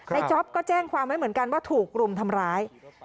จ๊อปก็แจ้งความไว้เหมือนกันว่าถูกรุมทำร้าย